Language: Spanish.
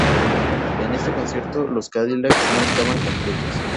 En este concierto los Cadillacs no estaban completos.